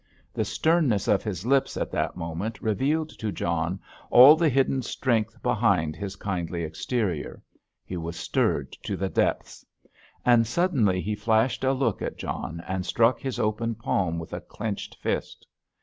The sternness of his lips at that moment revealed to John all the hidden strength behind his kindly exterior; he was stirred to the depths. And suddenly he flashed a look at John and struck his open palm with a clenched fist.